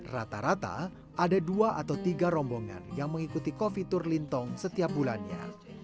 rata rata ada dua atau tiga rombongan yang mengikuti kopi tur lintong setiap bulannya